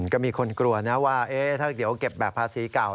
ก็มีคนกลัวนะว่าถ้าเดี๋ยวเก็บแบบภาษีเก่า